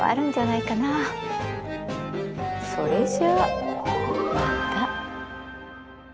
それじゃあまた。